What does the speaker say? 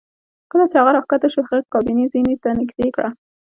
کله چې هغه راښکته شو هغې کابینه زینې ته نږدې کړه